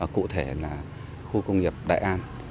cụ thể là khu công nghiệp đại an